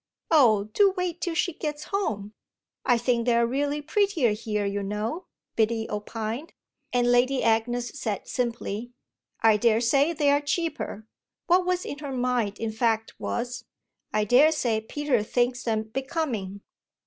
"Oh do wait till she gets home!" "I think they're really prettier here, you know," Biddy opined; and Lady Agnes said simply: "I daresay they're cheaper." What was in her mind in fact was: "I daresay Peter thinks them becoming."